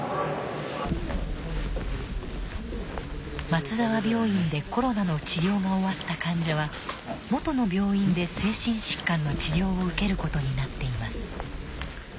松沢病院でコロナの治療が終わった患者は元の病院で精神疾患の治療を受けることになっています。